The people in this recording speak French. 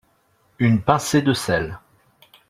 une pincé de sel